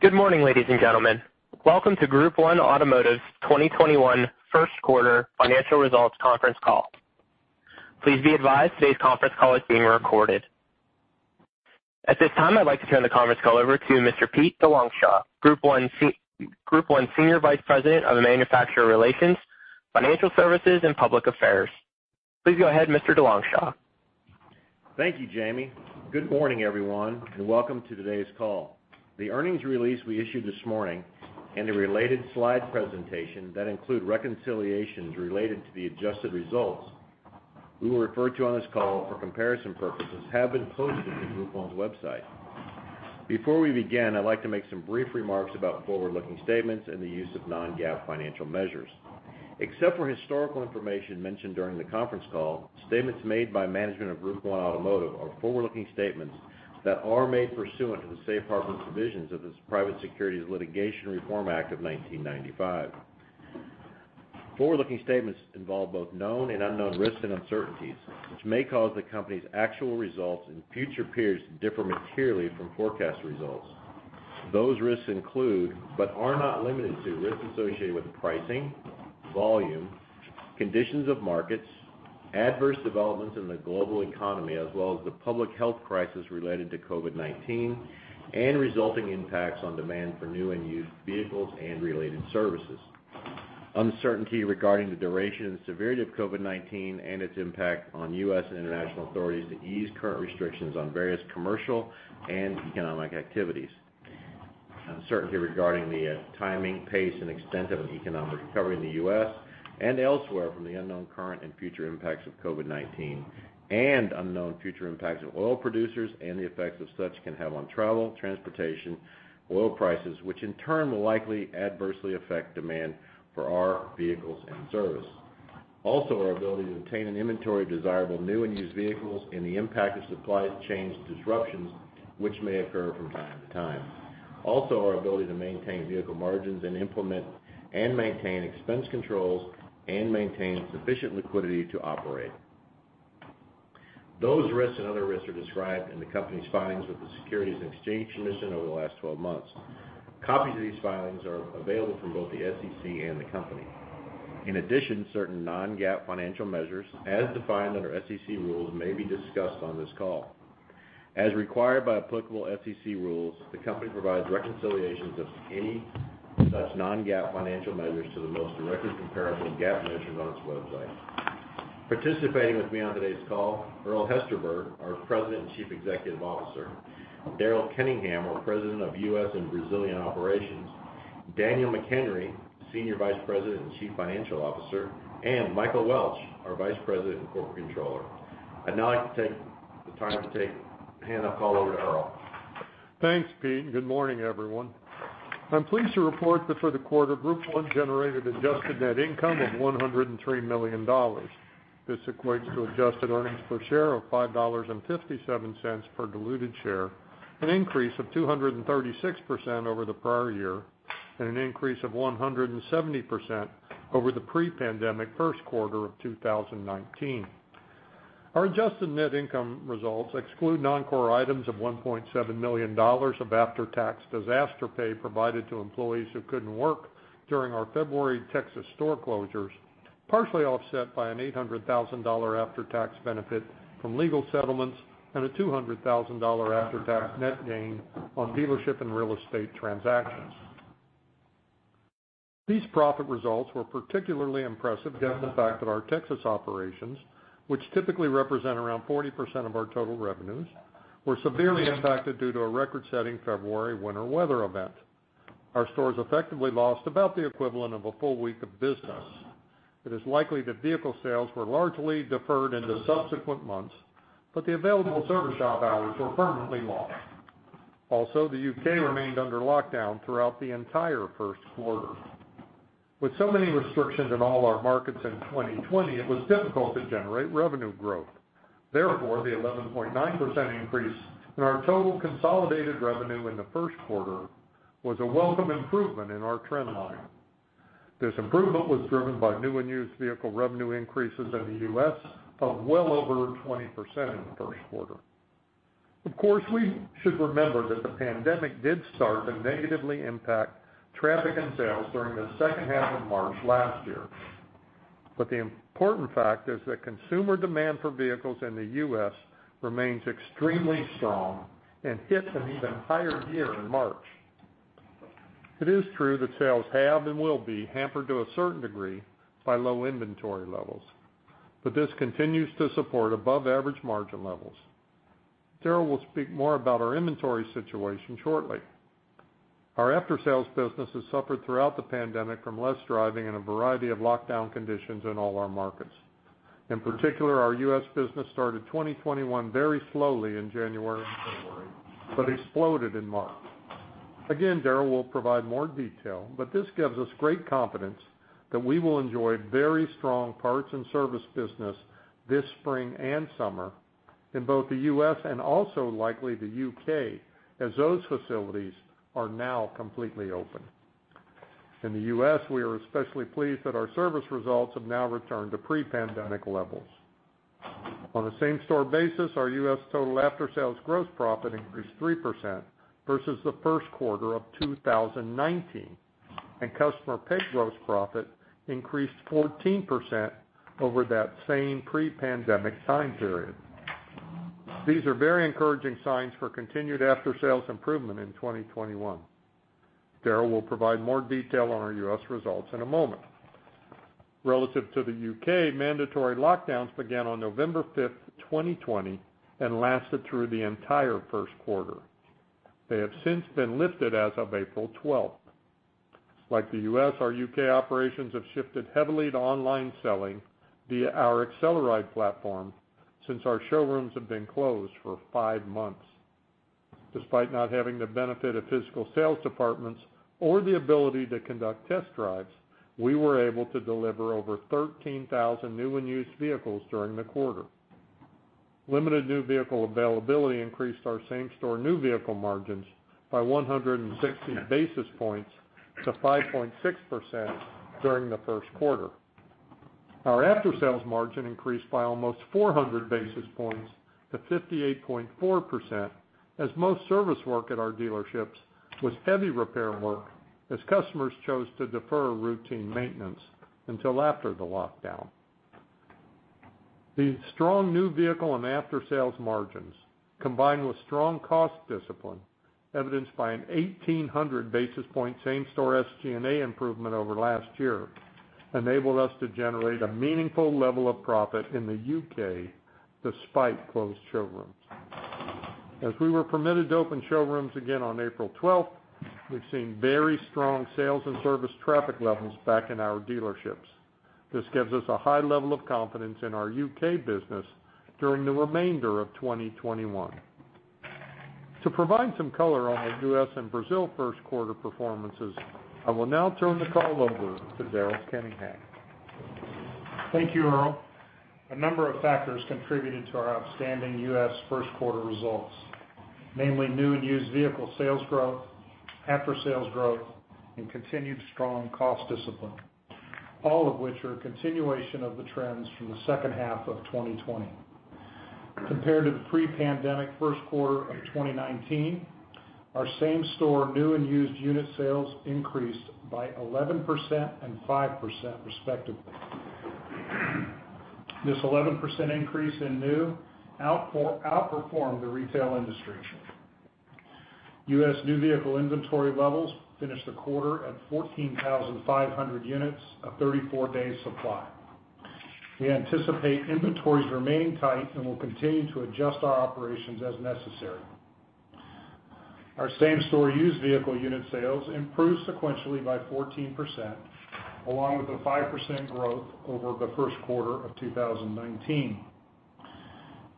Good morning, ladies and gentlemen. Welcome to Group 1 Automotive's 2021 first quarter financial results conference call. Please be advised today's conference call is being recorded. At this time, I'd like to turn the conference call over to Mr. Pete DeLongchamps, Group 1 Senior Vice President of Manufacturer Relations, Financial Services, and Public Affairs. Please go ahead, Mr. DeLongchamps. Thank you, Jamie. Good morning, everyone, and welcome to today's call. The earnings release we issued this morning and the related slide presentation that include reconciliations related to the adjusted results we will refer to on this call for comparison purposes have been posted to Group 1's website. Before we begin, I'd like to make some brief remarks about forward-looking statements and the use of non-GAAP financial measures. Except for historical information mentioned during the conference call, statements made by management of Group 1 Automotive are forward-looking statements that are made pursuant to the safe harbor provisions of the Private Securities Litigation Reform Act of 1995. Forward-looking statements involve both known and unknown risks and uncertainties, which may cause the company's actual results in future periods to differ materially from forecast results. Those risks include, but are not limited to, risks associated with pricing, volume, conditions of markets, adverse developments in the global economy as well as the public health crisis related to COVID-19, and resulting impacts on demand for new and used vehicles and related services. Uncertainty regarding the duration and severity of COVID-19 and its impact on U.S. and international authorities to ease current restrictions on various commercial and economic activities. Uncertainty regarding the timing, pace, and extent of an economic recovery in the U.S. and elsewhere from the unknown current and future impacts of COVID-19, and unknown future impacts of oil producers and the effects of such can have on travel, transportation, oil prices, which in turn will likely adversely affect demand for our vehicles and service. Our ability to obtain an inventory of desirable new and used vehicles and the impact of supply chain disruptions, which may occur from time to time. Our ability to maintain vehicle margins and implement and maintain expense controls and maintain sufficient liquidity to operate. Those risks and other risks are described in the company's filings with the Securities and Exchange Commission over the last 12 months. Copies of these filings are available from both the SEC and the company. In addition, certain non-GAAP financial measures, as defined under SEC rules, may be discussed on this call. As required by applicable SEC rules, the company provides reconciliations of any such non-GAAP financial measures to the most directly comparable GAAP measures on its website. Participating with me on today's call, Earl Hesterberg, our President and Chief Executive Officer. Daryl Kenningham, our President of U.S. and Brazilian Operations. Daniel McHenry, Senior Vice President and Chief Financial Officer, and Michael Welch, our Vice President and Corporate Controller. I'd now like to take the time to hand the call over to Earl. Thanks, Pete. Good morning, everyone. I'm pleased to report that for the quarter, Group 1 generated adjusted net income of $103 million. This equates to adjusted earnings per share of $5.57 per diluted share, an increase of 236% over the prior year, and an increase of 170% over the pre-pandemic first quarter of 2019. Our adjusted net income results exclude non-core items of $1.7 million of after-tax disaster pay provided to employees who couldn't work during our February Texas store closures, partially offset by an $800,000 after-tax benefit from legal settlements and a $200,000 after-tax net gain on dealership and real estate transactions. These profit results were particularly impressive given the fact that our Texas operations, which typically represent around 40% of our total revenues, were severely impacted due to a record-setting February winter weather event. Our stores effectively lost about the equivalent of a full week of business. It is likely that vehicle sales were largely deferred into subsequent months, but the available service shop hours were permanently lost. Also, the U.K. remained under lockdown throughout the entire first quarter. With so many restrictions in all our markets in 2020, it was difficult to generate revenue growth. Therefore, the 11.9% increase in our total consolidated revenue in the first quarter was a welcome improvement in our trend line. This improvement was driven by new and used vehicle revenue increases in the U.S. of well over 20% in the first quarter. Of course, we should remember that the pandemic did start to negatively impact traffic and sales during the second half of March last year. The important fact is that consumer demand for vehicles in the U.S. remains extremely strong and hits an even higher gear in March. It is true that sales have and will be hampered to a certain degree by low inventory levels, but this continues to support above-average margin levels. Daryl will speak more about our inventory situation shortly. Our after-sales business has suffered throughout the pandemic from less driving and a variety of lockdown conditions in all our markets. In particular, our U.S. business started 2021 very slowly in January and February, but exploded in March. Again, Daryl will provide more detail, but this gives us great confidence that we will enjoy very strong parts and service business this spring and summer in both the U.S. and also likely the U.K., as those facilities are now completely open. In the U.S., we are especially pleased that our service results have now returned to pre-pandemic levels. On a same-store basis, our U.S. total aftersales gross profit increased 3% versus the first quarter of 2019, and customer pay gross profit increased 14% over that same pre-pandemic time period. These are very encouraging signs for continued aftersales improvement in 2021. Daryl will provide more detail on our U.S. results in a moment. Relative to the U.K., mandatory lockdowns began on November 5th, 2020 and lasted through the entire first quarter. They have since been lifted as of April 12th. Like the U.S., our U.K. operations have shifted heavily to online selling via our AcceleRide platform since our showrooms have been closed for five months. Despite not having the benefit of physical sales departments or the ability to conduct test drives, we were able to deliver over 13,000 new and used vehicles during the quarter. Limited new vehicle availability increased our same-store new vehicle margins by 160 basis points to 5.6% during the first quarter. Our aftersales margin increased by almost 400 basis points to 58.4%, as most service work at our dealerships was heavy repair work as customers chose to defer routine maintenance until after the lockdown. The strong new vehicle and aftersales margins, combined with strong cost discipline, evidenced by an 1,800 basis point same-store SG&A improvement over last year, enabled us to generate a meaningful level of profit in the U.K. despite closed showrooms. As we were permitted to open showrooms again on April 12th, we've seen very strong sales and service traffic levels back in our dealerships. This gives us a high level of confidence in our U.K. business during the remainder of 2021. To provide some color on the U.S. and Brazil first quarter performances, I will now turn the call over to Daryl Kenningham. Thank you, Earl. A number of factors contributed to our outstanding U.S. first quarter results, namely new and used vehicle sales growth, aftersales growth, and continued strong cost discipline, all of which are a continuation of the trends from the second half of 2020. Compared to the pre-pandemic first quarter of 2019, our same-store new and used unit sales increased by 11% and 5% respectively. This 11% increase in new outperformed the retail industry. U.S. new vehicle inventory levels finished the quarter at 14,500 units of 34 days supply. We anticipate inventories remaining tight and will continue to adjust our operations as necessary. Our same-store used vehicle unit sales improved sequentially by 14%, along with a 5% growth over the first quarter of 2019.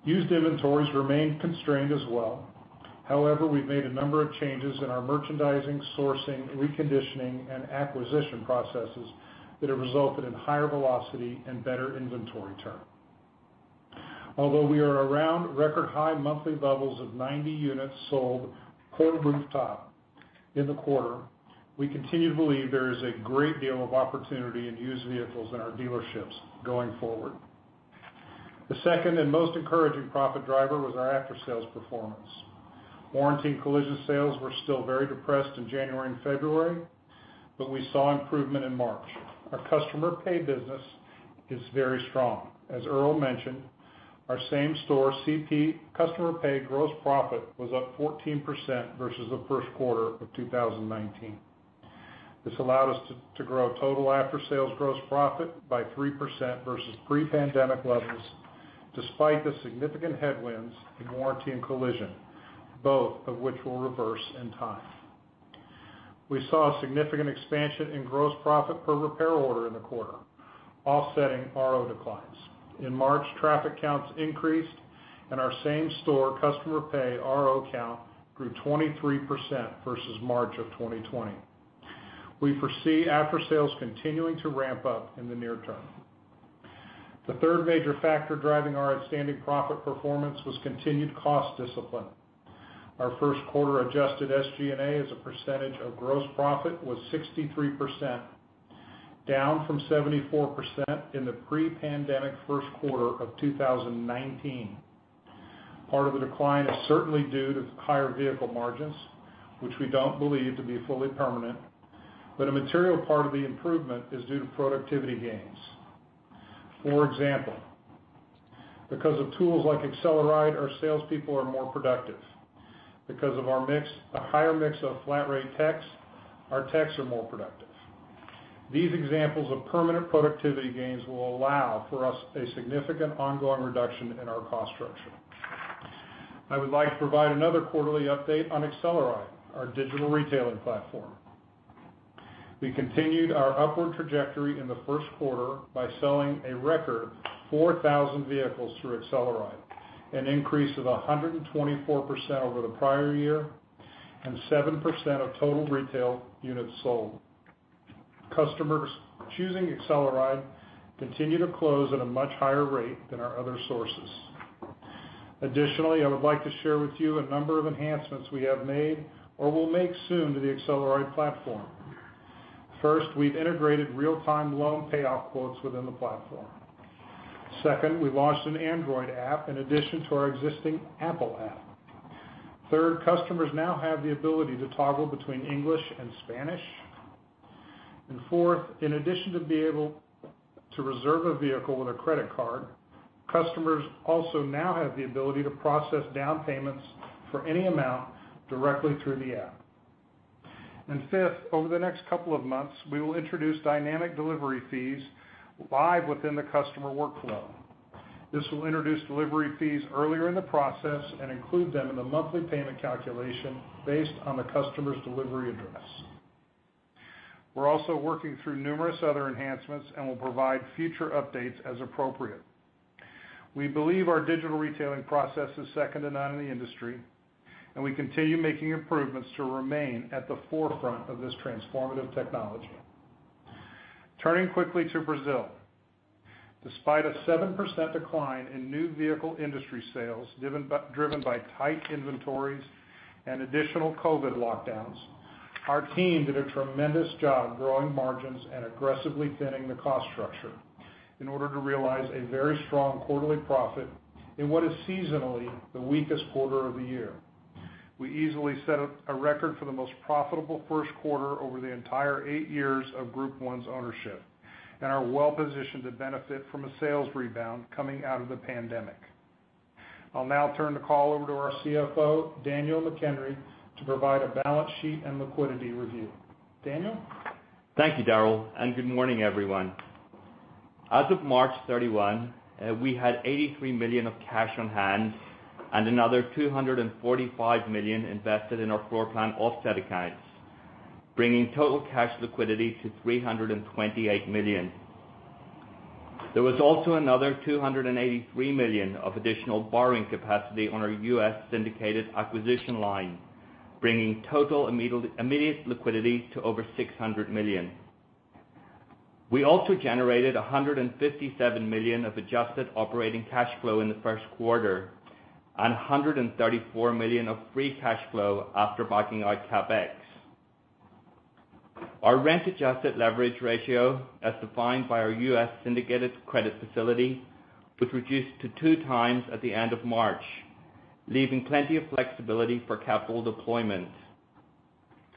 Used inventories remain constrained as well. We've made a number of changes in our merchandising, sourcing, reconditioning, and acquisition processes that have resulted in higher velocity and better inventory turn. We are around record-high monthly levels of 90 units sold per rooftop in the quarter, we continue to believe there is a great deal of opportunity in used vehicles in our dealerships going forward. The second and most encouraging profit driver was our aftersales performance. Warranty and collision sales were still very depressed in January and February, we saw improvement in March. Our customer pay business is very strong. As Earl mentioned, our same-store customer pay gross profit was up 14% versus the first quarter of 2019. This allowed us to grow total aftersales gross profit by 3% versus pre-pandemic levels, despite the significant headwinds in warranty and collision, both of which will reverse in time. We saw a significant expansion in gross profit per repair order in the quarter, offsetting RO declines. In March, traffic counts increased, and our same-store customer pay RO count grew 23% versus March of 2020. We foresee aftersales continuing to ramp up in the near term. The third major factor driving our outstanding profit performance was continued cost discipline. Our first quarter adjusted SG&A as a percentage of gross profit was 63%, down from 74% in the pre-pandemic first quarter of 2019. Part of the decline is certainly due to higher vehicle margins, which we don't believe to be fully permanent, but a material part of the improvement is due to productivity gains. For example, because of tools like AcceleRide, our salespeople are more productive. Because of our higher mix of flat-rate techs, our techs are more productive. These examples of permanent productivity gains will allow for us a significant ongoing reduction in our cost structure. I would like to provide another quarterly update on AcceleRide, our digital retailing platform. We continued our upward trajectory in the first quarter by selling a record 4,000 vehicles through AcceleRide, an increase of 124% over the prior year and 7% of total retail units sold. Customers choosing AcceleRide continue to close at a much higher rate than our other sources. Additionally, I would like to share with you a number of enhancements we have made or will make soon to the AcceleRide platform. First, we've integrated real-time loan payoff quotes within the platform. Second, we launched an Android app in addition to our existing Apple app. Third, customers now have the ability to toggle between English and Spanish. Fourth, in addition to be able to reserve a vehicle with a credit card, customers also now have the ability to process down payments for any amount directly through the app. Fifth, over the next couple of months, we will introduce dynamic delivery fees live within the customer workflow. This will introduce delivery fees earlier in the process and include them in the monthly payment calculation based on the customer's delivery address. We're also working through numerous other enhancements and will provide future updates as appropriate. We believe our digital retailing process is second to none in the industry, and we continue making improvements to remain at the forefront of this transformative technology. Turning quickly to Brazil. Despite a 7% decline in new vehicle industry sales driven by tight inventories and additional COVID lockdowns, our team did a tremendous job growing margins and aggressively thinning the cost structure in order to realize a very strong quarterly profit in what is seasonally the weakest quarter of the year. We easily set a record for the most profitable first quarter over the entire eight years of Group 1 Automotive's ownership and are well-positioned to benefit from a sales rebound coming out of the pandemic. I'll now turn the call over to our CFO Daniel McHenry to provide a balance sheet and liquidity review. Daniel? Thank you, Daryl, and good morning, everyone. As of March 31, we had $83 million of cash on hand and another $245 million invested in our floorplan offset accounts, bringing total cash liquidity to $328 million. There was also another $283 million of additional borrowing capacity on our U.S. syndicated acquisition line, bringing total immediate liquidity to over $600 million. We also generated $157 million of adjusted operating cash flow in the first quarter and $134 million of free cash flow after backing out CapEx. Our rent-adjusted leverage ratio, as defined by our U.S. syndicated credit facility, was reduced to 2x at the end of March, leaving plenty of flexibility for capital deployment.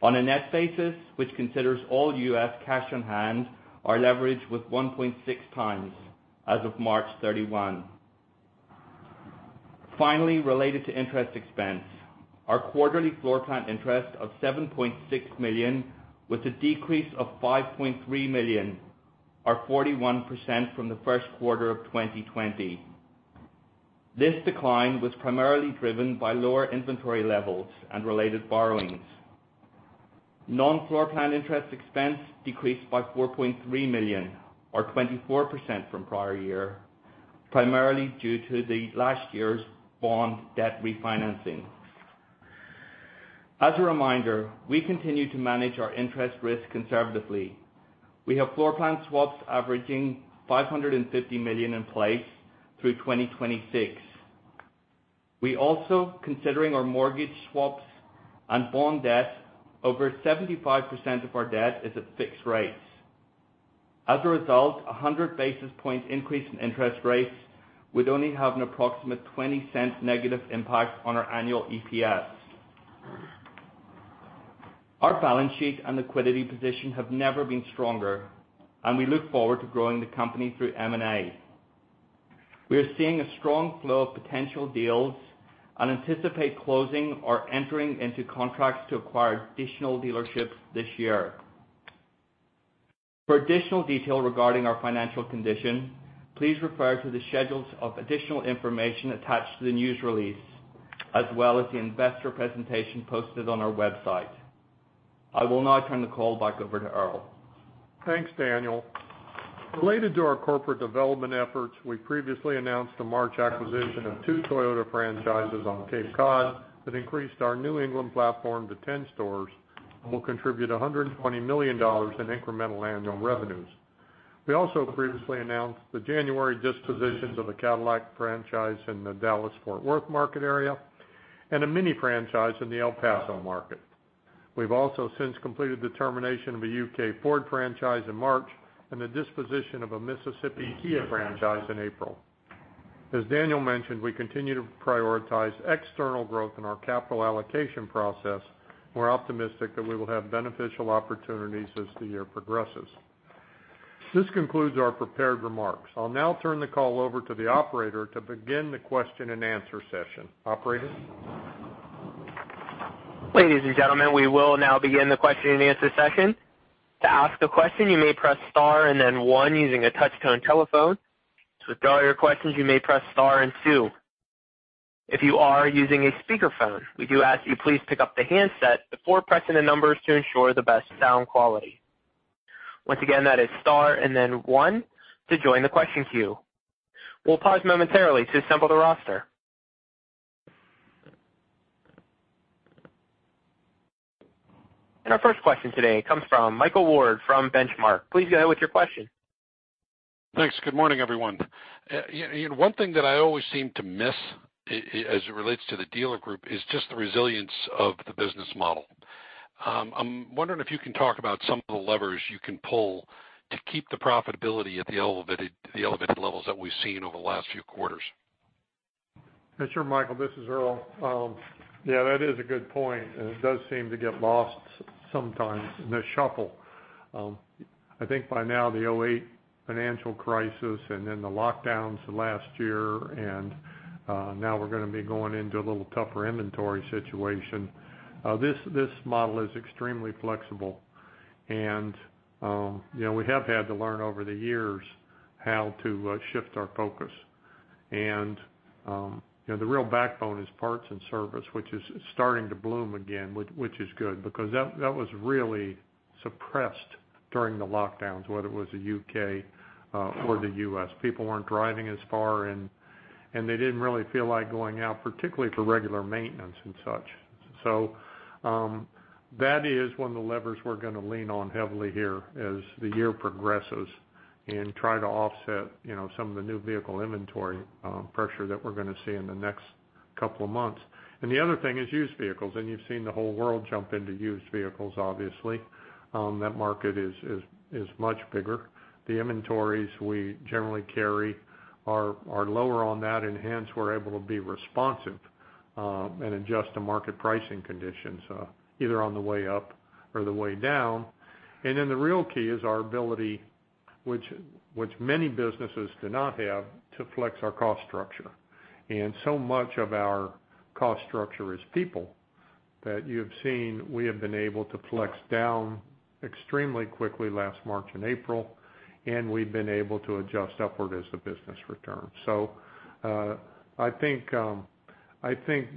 On a net basis, which considers all U.S. cash on hand, our leverage was 1.6x as of March 31. Related to interest expense, our quarterly floorplan interest of $7.6 million was a decrease of $5.3 million, or 41%, from the first quarter of 2020. This decline was primarily driven by lower inventory levels and related borrowings. Non-floorplan interest expense decreased by $4.3 million, or 24%, from prior year, primarily due to the last year's bond debt refinancing. As a reminder, we continue to manage our interest risk conservatively. We have floorplan swaps averaging $550 million in place through 2026. We also, considering our mortgage swaps and bond debt, over 75% of our debt is at fixed rates. As a result, a 100-basis-point increase in interest rates would only have an approximate $0.20 negative impact on our annual EPS. Our balance sheet and liquidity position have never been stronger, and we look forward to growing the company through M&A. We are seeing a strong flow of potential deals and anticipate closing or entering into contracts to acquire additional dealerships this year. For additional detail regarding our financial condition, please refer to the schedules of additional information attached to the news release, as well as the investor presentation posted on our website. I will now turn the call back over to Earl. Thanks, Daniel. Related to our corporate development efforts, we previously announced the March acquisition of two Toyota franchises on Cape Cod that increased our New England platform to 10 stores and will contribute $120 million in incremental annual revenues. We also previously announced the January dispositions of a Cadillac franchise in the Dallas-Fort Worth market area and a Mini franchise in the El Paso market. We've also since completed the termination of a U.K. Ford franchise in March and the disposition of a Mississippi Kia franchise in April. As Daniel mentioned, we continue to prioritize external growth in our capital allocation process. We're optimistic that we will have beneficial opportunities as the year progresses. This concludes our prepared remarks. I'll now turn the call over to the operator to begin the question-and-answer session. Operator? Ladies and gentlemen, we will now begin the question-and-answer session. To ask a question, you may press star and then one using a touch-tone telephone. To withdraw your questions, you may press star and two. If you are using a speakerphone, we do ask you please pick up the handset before pressing the numbers to ensure the best sound quality. Once again, that is star and then one to join the question queue. We'll pause momentarily to assemble the roster. Our first question today comes from Michael Ward from Benchmark. Please go ahead with your question. Thanks. Good morning, everyone. One thing that I always seem to miss as it relates to the dealer group is just the resilience of the business model. I'm wondering if you can talk about some of the levers you can pull to keep the profitability at the elevated levels that we've seen over the last few quarters. Sure, Michael, this is Earl. Yeah, that is a good point, and it does seem to get lost sometimes in the shuffle. I think by now the 2008 financial crisis and then the lockdowns of last year, and now we're going to be going into a little tougher inventory situation. This model is extremely flexible. We have had to learn over the years how to shift our focus. The real backbone is parts and service, which is starting to bloom again, which is good, because that was really suppressed during the lockdowns, whether it was the U.K. or the U.S. People weren't driving as far, and they didn't really feel like going out, particularly for regular maintenance and such. That is one of the levers we're going to lean on heavily here as the year progresses and try to offset some of the new vehicle inventory pressure that we're going to see in the next couple of months. The other thing is used vehicles. You've seen the whole world jump into used vehicles, obviously. That market is much bigger. The inventories we generally carry are lower on that, and hence, we're able to be responsive and adjust to market pricing conditions, either on the way up or the way down. The real key is our ability, which many businesses do not have, to flex our cost structure. So much of our cost structure is people that you have seen we have been able to flex down extremely quickly last March and April, and we've been able to adjust upward as the business returns. I think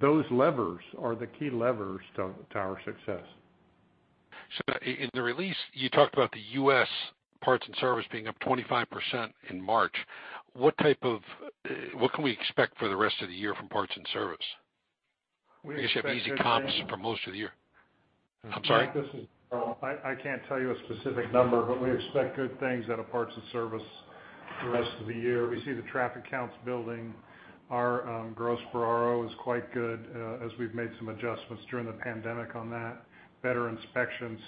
those levers are the key levers to our success. In the release, you talked about the U.S. parts and service being up 25% in March. What can we expect for the rest of the year from parts and service? We expect good things. I guess you have easy comps for most of the year. I'm sorry? Mike, this is Daryl. I can't tell you a specific number, but we expect good things out of parts and service for the rest of the year. We see the traffic counts building. Our gross per RO is quite good as we've made some adjustments during the pandemic on that. Better inspections,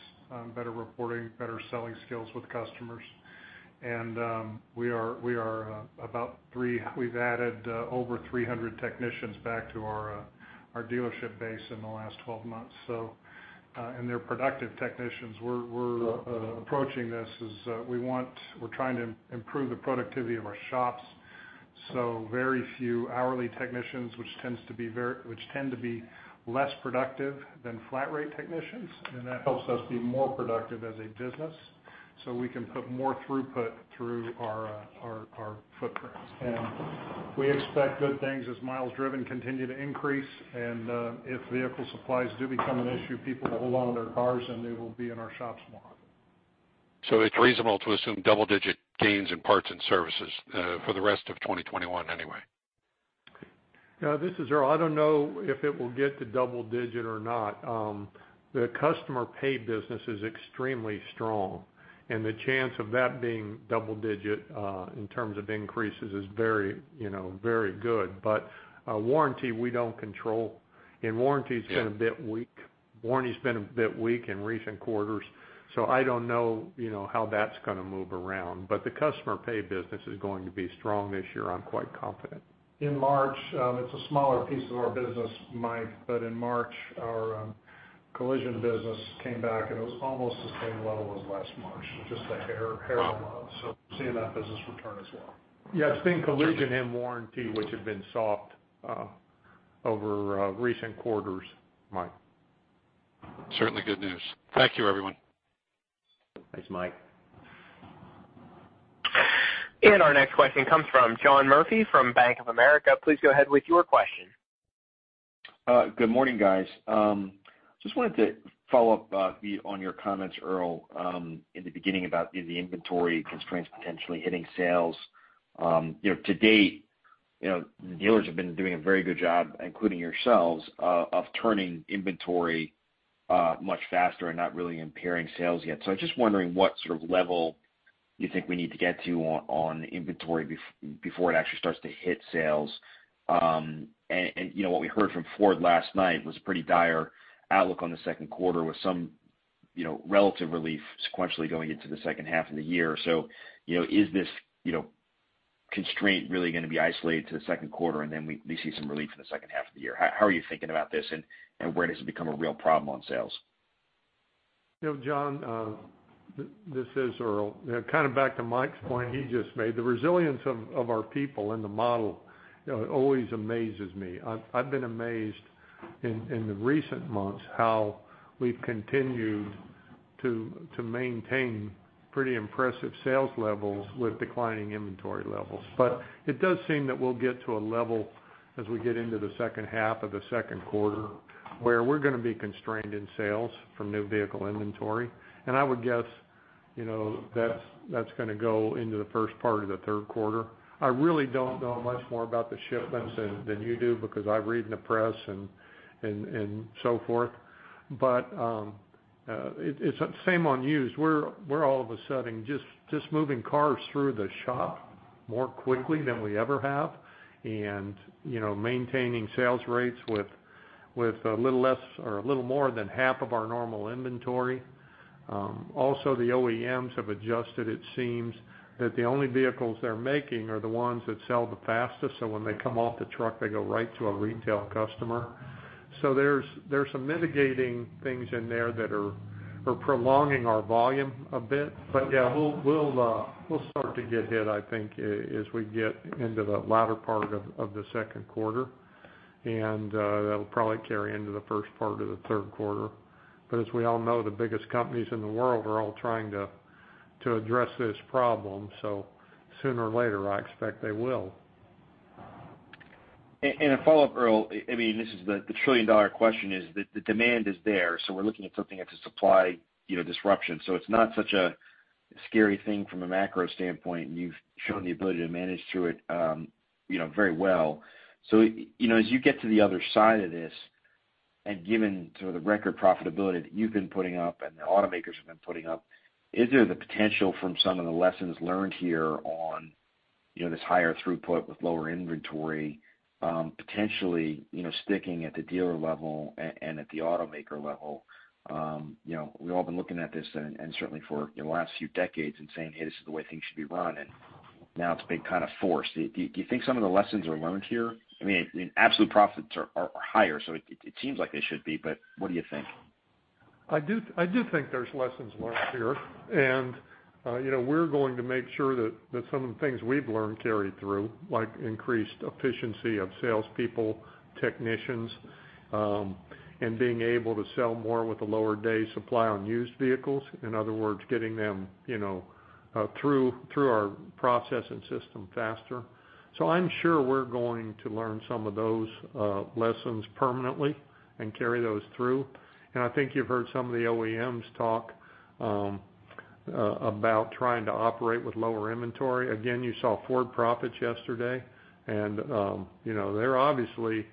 better reporting, better selling skills with customers. We've added over 300 technicians back to our dealership base in the last 12 months. They're productive technicians. We're approaching this as we're trying to improve the productivity of our shops. Very few hourly technicians, which tend to be less productive than flat rate technicians, and that helps us be more productive as a business so we can put more throughput through our footprints. We expect good things as miles driven continue to increase. If vehicle supplies do become an issue, people will hold onto their cars, and they will be in our shops more. It's reasonable to assume double-digit gains in parts and services for the rest of 2021 anyway. This is Earl. I don't know if it will get to double-digit or not. The customer pay business is extremely strong, and the chance of that being double-digit in terms of increases is very good. Warranty, we don't control, and warranty's been a bit weak. Warranty's been a bit weak in recent quarters, so I don't know how that's going to move around. The customer pay business is going to be strong this year, I'm quite confident. In March, it's a smaller piece of our business, Mike, but in March, our collision business came back, and it was almost the same level as last March. Just a hair low. Wow. We're seeing that business return as well. Yeah, it's been collision and warranty which have been soft over recent quarters, Mike. Certainly good news. Thank you everyone. Thanks, Mike. Our next question comes from John Murphy from Bank of America. Please go ahead with your question. Good morning, guys. Just wanted to follow up on your comments, Earl, in the beginning about the inventory constraints potentially hitting sales. To date, dealers have been doing a very good job, including yourselves, of turning inventory much faster and not really impairing sales yet. I'm just wondering what sort of level you think we need to get to on inventory before it actually starts to hit sales. What we heard from Ford last night was a pretty dire outlook on the second quarter with some relative relief sequentially going into the second half of the year. Is this constraint really going to be isolated to the second quarter and then we see some relief in the second half of the year? How are you thinking about this, and where does it become a real problem on sales? John, this is Earl. Back to Mike's point he just made, the resilience of our people and the model always amazes me. I've been amazed in the recent months how we've continued to maintain pretty impressive sales levels with declining inventory levels. It does seem that we'll get to a level as we get into the second half of the second quarter where we're going to be constrained in sales from new vehicle inventory. I would guess that's going to go into the first part of the third quarter. I really don't know much more about the shipments than you do because I read in the press and so forth. It's the same on used. We're all of a sudden just moving cars through the shop more quickly than we ever have, and maintaining sales rates with a little less or a little more than half of our normal inventory. The OEMs have adjusted. It seems that the only vehicles they're making are the ones that sell the fastest, so when they come off the truck, they go right to a retail customer. There's some mitigating things in there that are prolonging our volume a bit. Yeah, we'll start to get hit, I think, as we get into the latter part of the second quarter, and that'll probably carry into the first part of the third quarter. As we all know, the biggest companies in the world are all trying to address this problem, sooner or later, I expect they will. A follow-up, Earl. The trillion-dollar question is the demand is there, so we're looking at something that's a supply disruption. It's not such a scary thing from a macro standpoint, and you've shown the ability to manage through it very well. As you get to the other side of this, and given sort of the record profitability that you've been putting up and the automakers have been putting up, is there the potential from some of the lessons learned here on this higher throughput with lower inventory, potentially sticking at the dealer level and at the automaker level? We've all been looking at this and certainly for the last few decades and saying, "Hey, this is the way things should be run," and now it's being kind of forced. Do you think some of the lessons are learned here? Absolute profits are higher, so it seems like they should be, but what do you think? I do think there's lessons learned here. We're going to make sure that some of the things we've learned carry through, like increased efficiency of salespeople, technicians, and being able to sell more with a lower day supply on used vehicles. In other words, getting them through our process and system faster. I'm sure we're going to learn some of those lessons permanently and carry those through. I think you've heard some of the OEMs talk about trying to operate with lower inventory. Again, you saw Ford profits yesterday, and they're obviously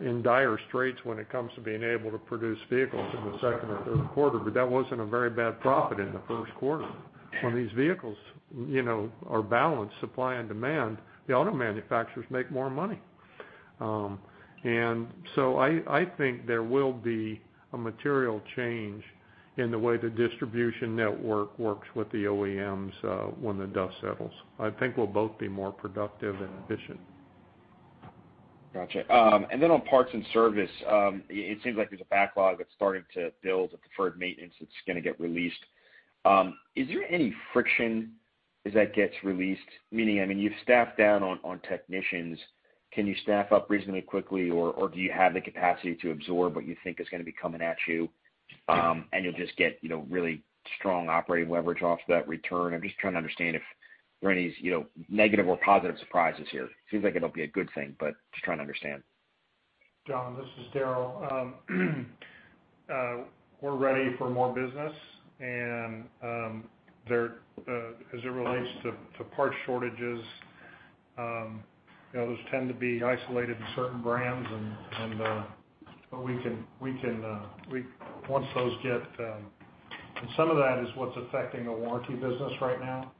in dire straits when it comes to being able to produce vehicles in the second or third quarter, but that wasn't a very bad profit in the first quarter. When these vehicles are balanced supply and demand, the auto manufacturers make more money. I think there will be a material change in the way the distribution network works with the OEMs when the dust settles. I think we'll both be more productive and efficient. Got you. On parts and service, it seems like there's a backlog that's starting to build, a deferred maintenance that's going to get released. Is there any friction as that gets released? Meaning, you've staffed down on technicians. Can you staff up reasonably quickly, or do you have the capacity to absorb what you think is going to be coming at you and you'll just get really strong operating leverage off that return? I'm just trying to understand if there are any negative or positive surprises here. Seems like it'll be a good thing, but just trying to understand. John, this is Daryl. We're ready for more business. As it relates to parts shortages, those tend to be isolated to certain brands. Some of that is what's affecting the warranty business right now.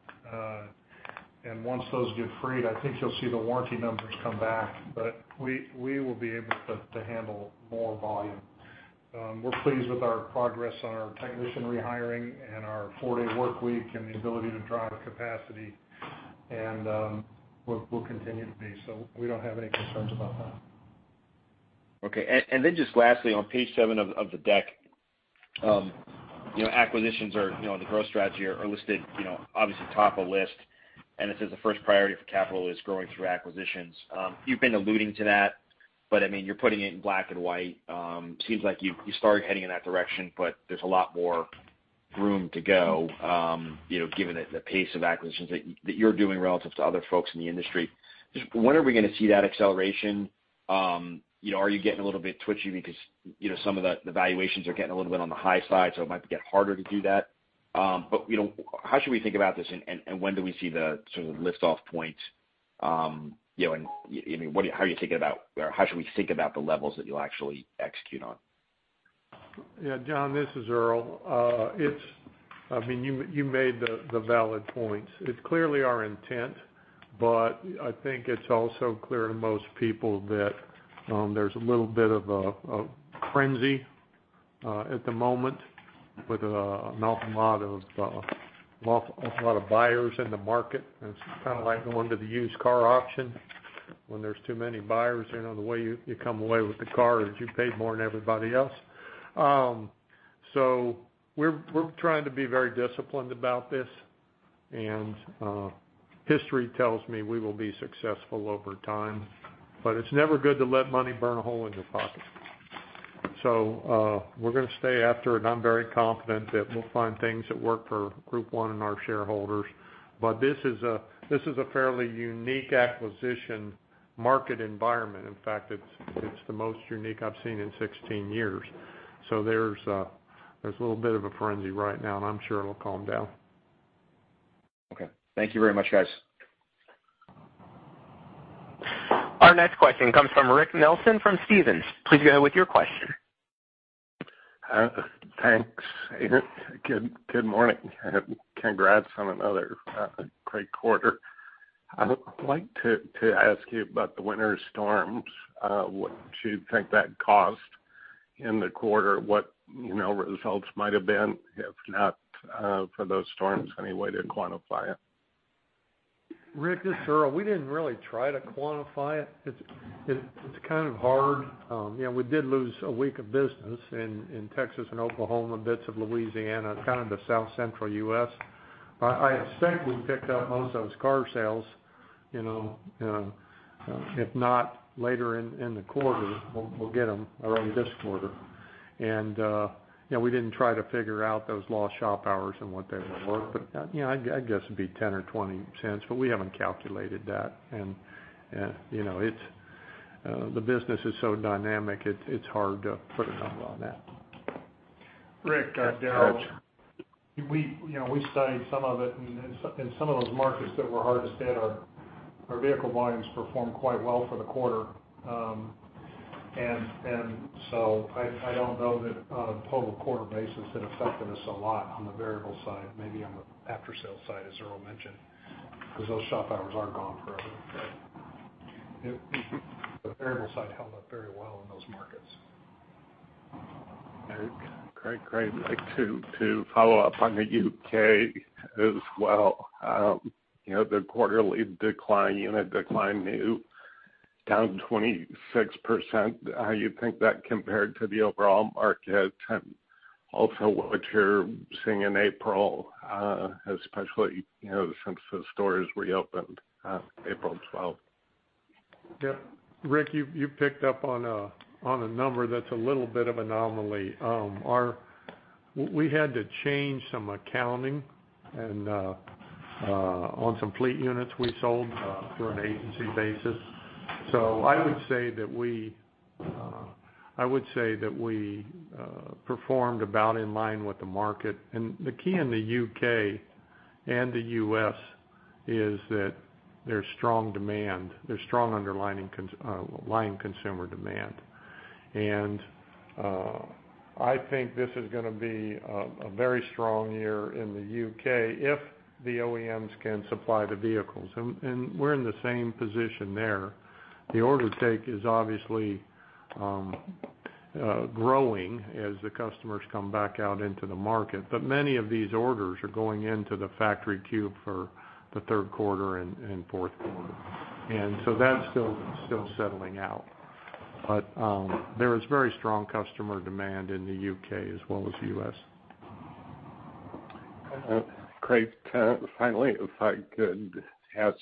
Once those get freed, I think you'll see the warranty numbers come back. We will be able to handle more volume. We're pleased with our progress on our technician rehiring and our four-day workweek and the ability to drive capacity, and we'll continue to be. We don't have any concerns about that. Okay. Just lastly, on page seven of the deck. Acquisitions or the growth strategy are listed obviously top of list. It says the first priority for capital is growing through acquisitions. You've been alluding to that, you're putting it in black and white. Seems like you started heading in that direction, there's a lot more room to go given the pace of acquisitions that you're doing relative to other folks in the industry. When are we going to see that acceleration? Are you getting a little bit twitchy because some of the valuations are getting a little bit on the high side, so it might get harder to do that? How should we think about this, when do we see the sort of lift-off point? How should we think about the levels that you'll actually execute on? Yeah, John, this is Earl. You made the valid points. It's clearly our intent, but I think it's also clear to most people that there's a little bit of a frenzy at the moment with an awful lot of buyers in the market. It's kind of like going to the used car auction when there's too many buyers. The way you come away with the car is you paid more than everybody else. We're trying to be very disciplined about this, and history tells me we will be successful over time. It's never good to let money burn a hole in your pocket. We're going to stay after it. I'm very confident that we'll find things that work for Group 1 and our shareholders. This is a fairly unique acquisition market environment. In fact, it's the most unique I've seen in 16 years. There's a little bit of a frenzy right now, and I'm sure it'll calm down. Okay. Thank you very much, guys. Our next question comes from Rick Nelson from Stephens. Please go ahead with your question. Thanks, Earl. Good morning and congrats on another great quarter. I would like to ask you about the winter storms. What do you think that cost in the quarter? What results might have been, if not for those storms? Any way to quantify it? Rick, this is Earl. We didn't really try to quantify it. It's kind of hard. We did lose a week of business in Texas and Oklahoma, bits of Louisiana, kind of the South Central U.S. I expect we picked up most of those car sales, if not later in the quarter, we'll get them around this quarter. We didn't try to figure out those lost shop hours and what they were worth, but I'd guess it'd be $0.10 or $0.20, but we haven't calculated that. The business is so dynamic, it's hard to put a number on that. Rick, it's Daryl. Go ahead. We studied some of it, in some of those markets that were hardest hit, our vehicle volumes performed quite well for the quarter. I don't know that on a total quarter basis it affected us a lot on the variable side, maybe on the after-sale side, as Earl mentioned, because those shop hours are gone forever. The variable side held up very well in those markets. Great. I'd like to follow up on the U.K. as well. The quarterly decline, unit decline new, down 26%. How you think that compared to the overall market? Also, what you're seeing in April, especially since the stores reopened on April 12th. Yeah. Rick, you picked up on a number that's a little bit of anomaly. We had to change some accounting on some fleet units we sold through an agency basis. I would say that we performed about in line with the market. The key in the U.K. and the U.S. is that there's strong underlying consumer demand. I think this is going to be a very strong year in the U.K. if the OEMs can supply the vehicles. We're in the same position there. The order take is obviously growing as the customers come back out into the market. Many of these orders are going into the factory queue for the third quarter and fourth quarter. That's still settling out. There is very strong customer demand in the U.K. as well as the U.S. Great. Finally, if I could ask,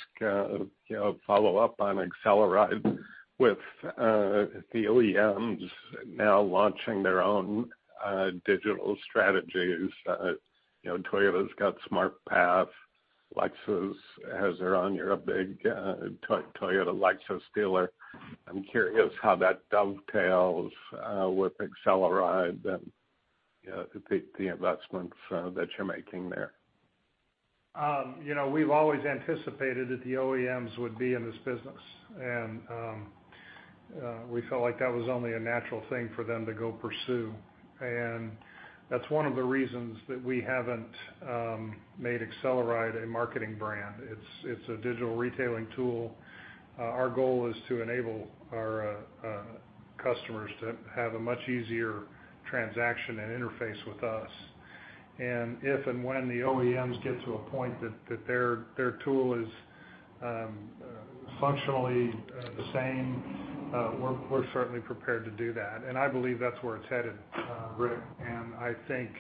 follow up on AcceleRide with the OEMs now launching their own digital strategies. Toyota's got SmartPath, Lexus has their own. You're a big Toyota Lexus dealer. I'm curious how that dovetails with AcceleRide and the investments that you're making there. We've always anticipated that the OEMs would be in this business, and we felt like that was only a natural thing for them to go pursue. That's one of the reasons that we haven't made AcceleRide a marketing brand. It's a digital retailing tool. Our goal is to enable our customers to have a much easier transaction and interface with us. If and when the OEMs get to a point that their tool is functionally the same, we're certainly prepared to do that. I believe that's where it's headed, Rick. I think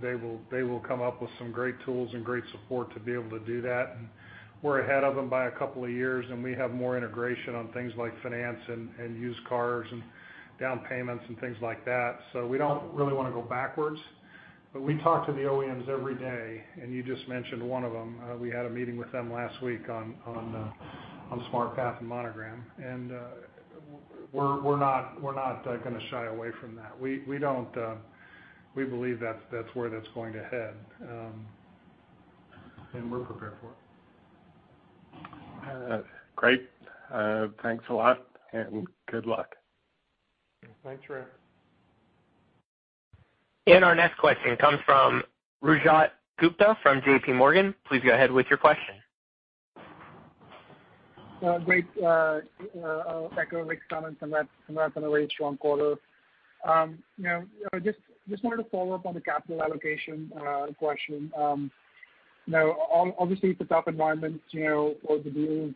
they will come up with some great tools and great support to be able to do that. We're ahead of them by a couple of years, and we have more integration on things like finance and used cars and down payments and things like that. We don't really want to go backwards. We talk to the OEMs every day, and you just mentioned one of them. We had a meeting with them last week on SmartPath and Monogram. We're not going to shy away from that. We believe that's where that's going to head. We're prepared for it. Great. Thanks a lot and good luck. Thanks, Rick. Our next question comes from Rajat Gupta from JPMorgan. Please go ahead with your question. Great. I'll echo Rick's comments and congrats on a really strong quarter. Just wanted to follow up on the capital allocation question. Obviously it's a tough environment for the deals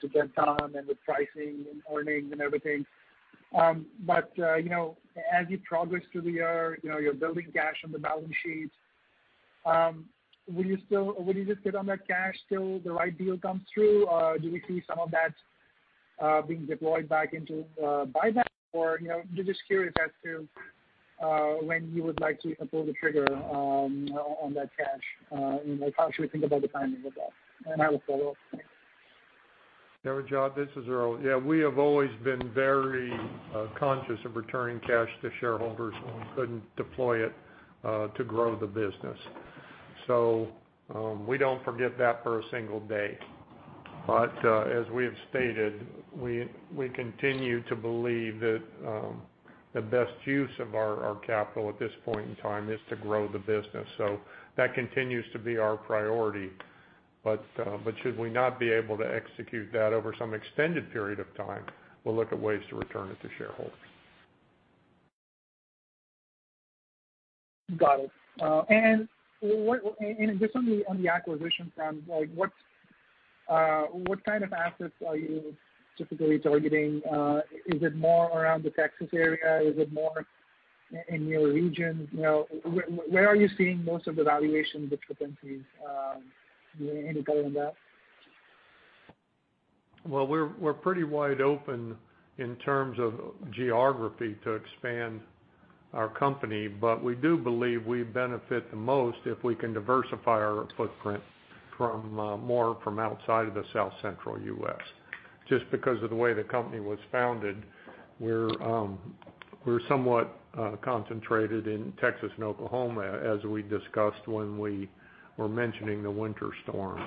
to get done and with pricing and earnings and everything. As you progress through the year, you're building cash on the balance sheet. Will you just sit on that cash till the right deal comes through? Do we see some of that being deployed back into buyback? Just curious as to when you would like to pull the trigger on that cash and how should we think about the timing of that? I have a follow-up. Rajat, this is Earl. Yeah, we have always been very conscious of returning cash to shareholders when we couldn't deploy it to grow the business. We don't forget that for a single day. As we have stated, we continue to believe that the best use of our capital at this point in time is to grow the business. That continues to be our priority. Should we not be able to execute that over some extended period of time, we'll look at ways to return it to shareholders. Got it. Just on the acquisition front, what kind of assets are you typically targeting? Is it more around the Texas area? Is it more in your region? Where are you seeing most of the valuation discrepancies? Any color on that? Well, we're pretty wide open in terms of geography to expand our company. We do believe we benefit the most if we can diversify our footprint more from outside of the South Central U.S. Just because of the way the company was founded, we're somewhat concentrated in Texas and Oklahoma, as we discussed when we were mentioning the winter storm.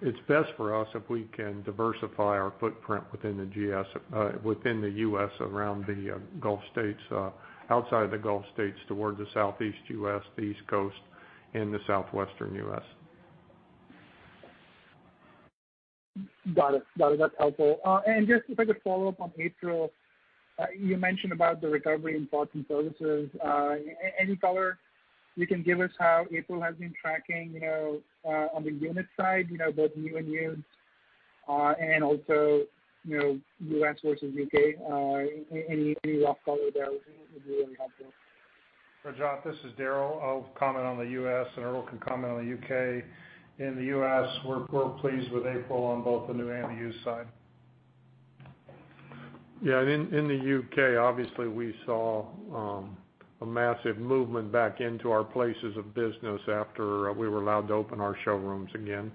It's best for us if we can diversify our footprint within the U.S. around the Gulf States, outside the Gulf States toward the Southeast U.S., the East Coast and the Southwestern U.S. Got it. That's helpful. Just if I could follow up on April, you mentioned about the recovery in parts and services. Any color you can give us how April has been tracking on the unit side, both new and used, and also U.S. versus U.K.? Any rough color there would be really helpful. Rajat, this is Daryl. I'll comment on the U.S., Earl can comment on the U.K. In the U.S., we're pleased with April on both the new and the used side. In the U.K., obviously we saw a massive movement back into our places of business after we were allowed to open our showrooms again.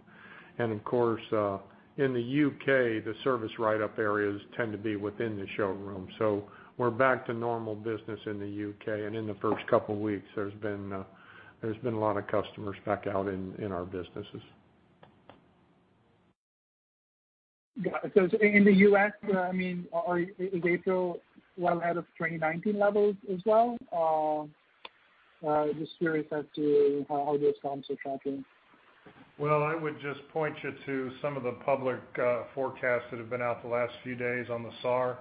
Of course, in the U.K., the service write-up areas tend to be within the showroom. We're back to normal business in the U.K., in the first couple of weeks, there's been a lot of customers back out in our businesses. Got it. In the U.S., is April well ahead of 2019 levels as well? Just curious as to how those comps are tracking. Well, I would just point you to some of the public forecasts that have been out the last few days on the SAAR.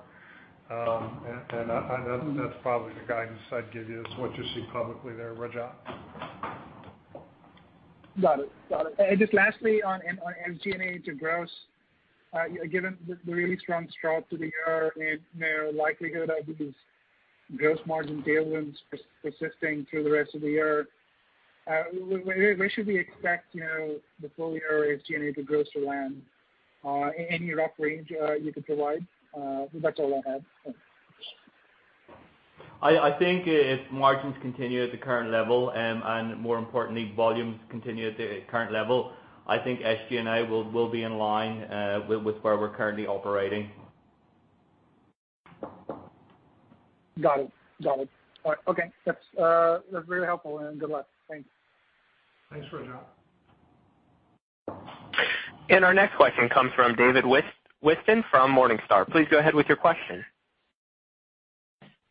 That's probably the guidance I'd give you, is what you see publicly there, Rajat. Got it. Just lastly on SG&A to gross, given the really strong start to the year and the likelihood of these gross margin tailwinds persisting through the rest of the year, where should we expect the full year SG&A to gross to land? Any rough range you could provide? That's all I have. Thanks. I think if margins continue at the current level, and more importantly, volumes continue at the current level, I think SG&A will be in line with where we're currently operating. Got it. All right. Okay, that's very helpful and good luck. Thanks. Thanks, Rajat. Our next question comes from David Whiston from Morningstar. Please go ahead with your question.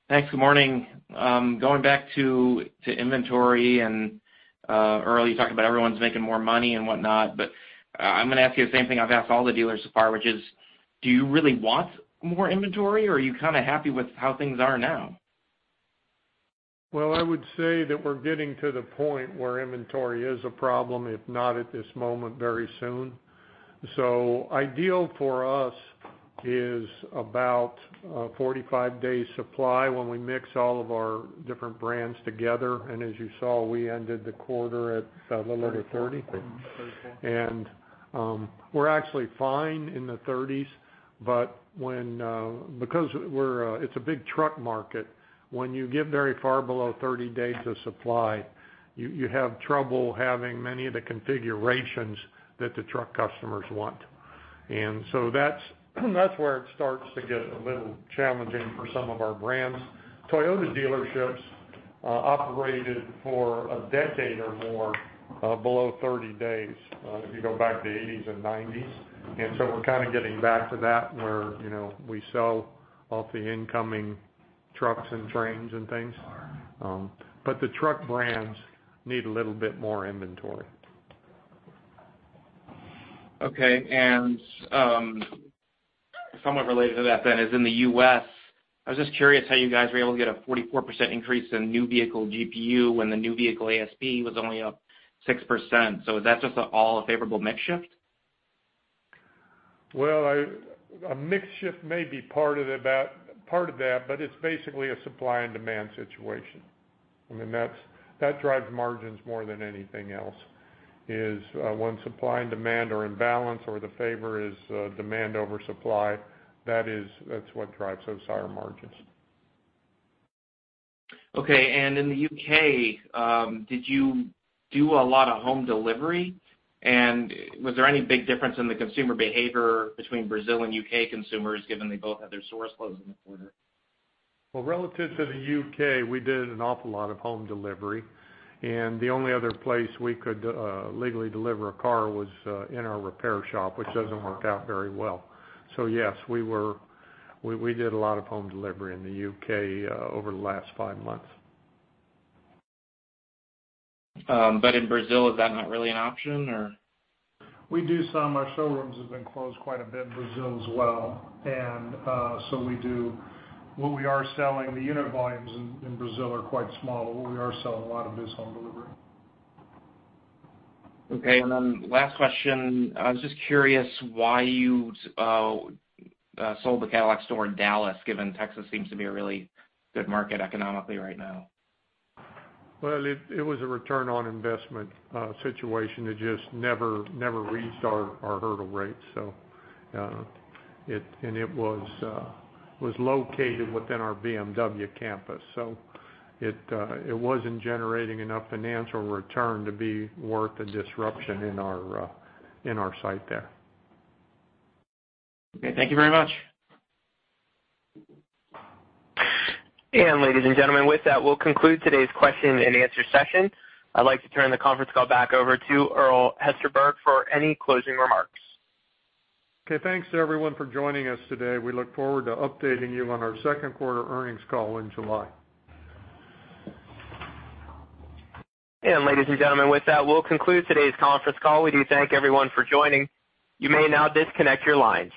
Thanks, good morning. Going back to inventory, and Earl, you talked about everyone's making more money and whatnot, but I'm going to ask you the same thing I've asked all the dealers so far, which is, do you really want more inventory, or are you kind of happy with how things are now? Well, I would say that we're getting to the point where inventory is a problem, if not at this moment very soon. Ideal for us is about a 45-day supply when we mix all of our different brands together. As you saw, we ended the quarter at a little under 30. We're actually fine in the 30s. Because it's a big truck market, when you get very far below 30 days of supply, you have trouble having many of the configurations that the truck customers want. That's where it starts to get a little challenging for some of our brands. Toyota dealerships operated for a decade or more below 30 days, if you go back to the 80s and 90s. We're kind of getting back to that, where we sell off the incoming trucks and trains and things. The truck brands need a little bit more inventory. Okay. Somewhat related to that then is in the U.S., I was just curious how you guys were able to get a 44% increase in new vehicle GPU when the new vehicle ASP was only up 6%. Is that just all a favorable mix shift? Well, a mix shift may be part of that, but it's basically a supply and demand situation. That drives margins more than anything else, is when supply and demand are in balance or the favor is demand over supply, that's what drives those higher margins. Okay, in the U.K., did you do a lot of home delivery? Was there any big difference in the consumer behavior between Brazil and U.K. consumers, given they both had their stores closed in the quarter? Well, relative to the U.K., we did an awful lot of home delivery, and the only other place we could legally deliver a car was in our repair shop, which doesn't work out very well. Yes, we did a lot of home delivery in the U.K. over the last five months. In Brazil, is that not really an option, or? We do some. Our showrooms have been closed quite a bit in Brazil as well. What we are selling, the unit volumes in Brazil are quite small, but what we are selling a lot of is home delivery. Okay, last question. I was just curious why you sold the Cadillac store in Dallas, given Texas seems to be a really good market economically right now. Well, it was a return on investment situation. It just never reached our hurdle rate. It was located within our BMW campus, so it wasn't generating enough financial return to be worth the disruption in our site there. Okay, thank you very much. Ladies and gentlemen, with that, we'll conclude today's question and answer session. I'd like to turn the conference call back over to Earl Hesterberg for any closing remarks. Okay, thanks everyone for joining us today. We look forward to updating you on our second quarter earnings call in July. Ladies and gentlemen, with that, we'll conclude today's conference call. We do thank everyone for joining. You may now disconnect your lines.